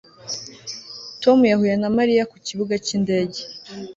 Tom yahuye na Mariya ku kibuga cyindege